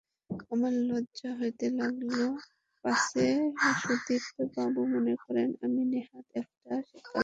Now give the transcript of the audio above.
আমার লজ্জা হতে লাগল, পাছে সন্দীপবাবু মনে করেন আমি নেহাৎ একটা সেকেলে জড়পদার্থ।